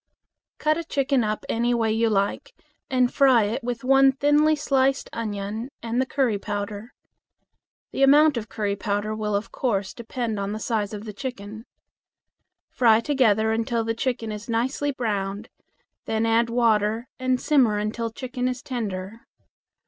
Cut a chicken up any way you like and fry it with one thinly sliced onion and the curry powder. The amount of curry powder will of course depend on the size of the chicken. Fry together until the chicken is nicely browned, then add water and simmer until chicken is tender.